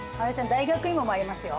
大学芋もありますよ。